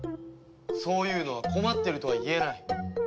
そういうのは困ってるとは言えない。